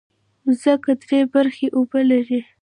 مځکه درې برخې اوبه لري.